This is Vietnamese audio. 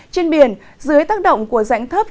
trên biển dưới tác động của rãnh thấp